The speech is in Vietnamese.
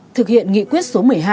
thực hiện nghị quyết số một mươi hai